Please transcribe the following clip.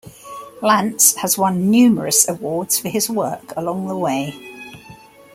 Lantz has won numerous awards for his work along the way.